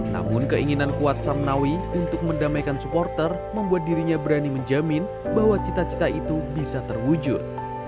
namun keinginan kuat samnawi untuk mendamaikan supporter membuat dirinya berani menjamin bahwa cita cita itu bisa terwujud